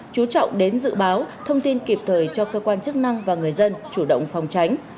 chú trọng đến dự báo thông tin kịp thời cho cơ quan chức năng và người dân chủ động phòng tránh